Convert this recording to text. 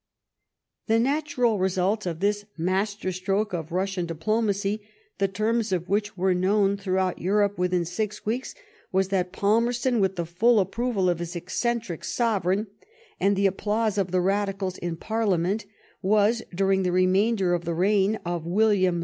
The natural result of this master stroke of Russian diplomacy, the terras of which were known throughout Europe within six weeks, was that Palmerston, with the full approval of his eccentric sovereign, and the ap plause of the Radicals in Parliament, was during the remainder of the reign of William IV.